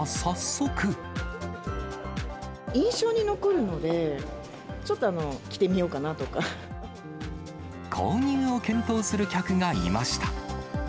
印象に残るので、購入を検討する客がいました。